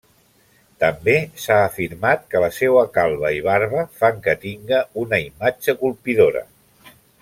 També s'ha afirmat que la seua calba i barba fan que tinga una imatge colpidora.